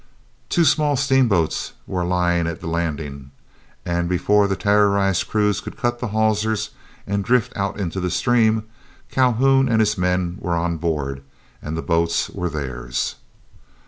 Two small steamboats were lying at the landing, and before the terrorized crews could cut the hawsers and drift out into the stream, Calhoun and his men were on board and the boats were theirs.